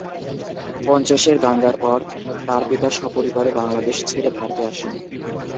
পঞ্চাশের দাঙ্গার পর তার পিতা সপরিবারে বাংলাদেশ ছেড়ে ভারতে আসেন।